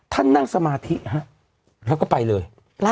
นั่งสมาธิฮะแล้วก็ไปเลย